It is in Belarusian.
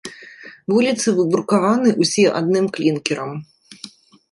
Вуліцы выбрукаваны ўсе адным клінкерам.